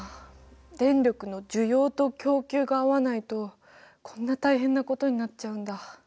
電力の需要と供給が合わないとこんな大変なことになっちゃうんだ。